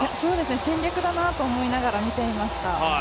戦略だなと思いながら見ていました。